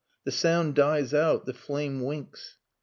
The sound dies out the flame winks...."